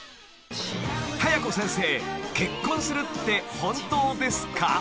［『早子先生、結婚するって本当ですか？』］